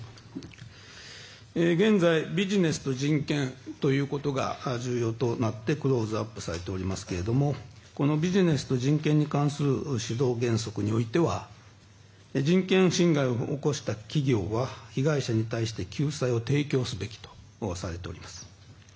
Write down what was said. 現在ビジネスと人権ということが重要となってクローズアップされていますがこのビジネスと人権に関する指導原則におきましては人権侵害を起こした企業は被害者に対して救済を提供すべきとされております。